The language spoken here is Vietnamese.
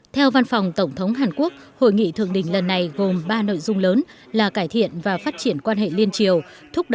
theo văn phòng tổng thống hàn quốc hội nghị thượng đỉnh lần này gồm ba nội dung lớn là cải thiện và phát triển quan hệ liên triều